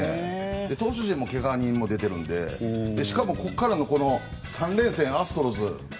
投手陣も怪我人が出ているのでしかもここからのこの３連戦、アストロズ。